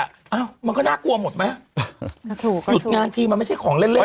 อ้าวมันก็น่ากลัวหมดไหมหยุดงานทีมันไม่ใช่ของเล่นเล่น